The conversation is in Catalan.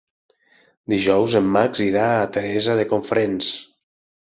Dijous en Max irà a Teresa de Cofrents.